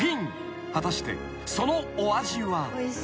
［果たしてそのお味は］